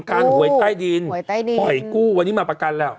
หวยใต้ดินปล่อยกู้วันนี้มาประกันแล้ว